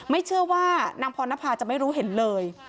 เชื่อว่านางพรณภาจะไม่รู้เห็นเลย